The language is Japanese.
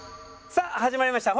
さあ始まりました。